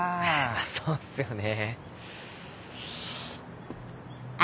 そうっすよね。